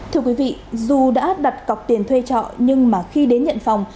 thưa quý vị dù đã đặt cọc tiền thuê trọ nhưng mà khi đến nhận phòng